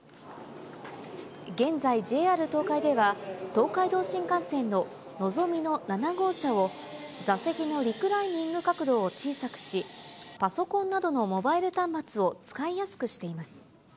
現在、ＪＲ東海では、東海道新幹線ののぞみの７号車を、座席のリクライニング角度を小さくし、パソコンなどのモバイル端末を使いやすくしています。